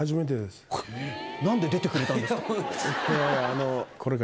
なんで出てくれたんですか？